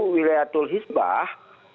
wilayah tul hisbah